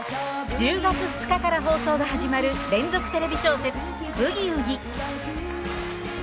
１０月２日から放送が始まる連続テレビ小説「ブギウギ」。